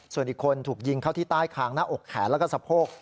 ส่วนอีกคนถูกยิงเข้าที่ใต้คางหน้าอกแขนแล้วก็สะโพก